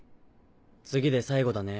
次で最後だね